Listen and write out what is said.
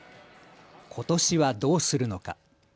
ことしはどうするのか。